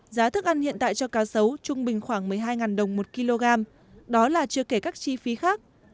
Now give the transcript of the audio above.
giá thức ăn hiện tại cho cá sấu trung bình khoảng một mươi hai đồng một kg đó là chưa kể các chi phí khác